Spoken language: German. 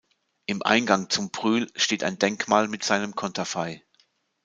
Im Eingang zum Brühl steht ein Denkmal mit seinem Konterfei.